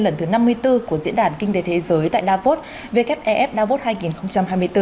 lần thứ năm mươi bốn của diễn đàn kinh tế thế giới tại davos wfef davos hai nghìn hai mươi bốn